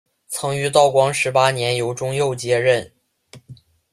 曾于道光十八年由中佑接任。